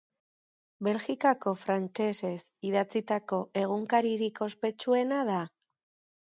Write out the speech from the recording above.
Belgikako frantsesez idatzitako egunkaririk ospetsuena da.